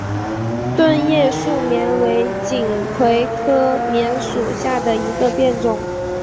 钝叶树棉为锦葵科棉属下的一个变种。